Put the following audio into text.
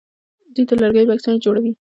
دوی د لرګیو بکسونه جوړوي.